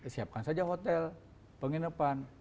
siapkan saja hotel penginapan